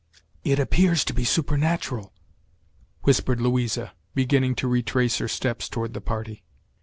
"It appears to be supernatural!" whispered Louisa, beginning to retrace her steps toward the party.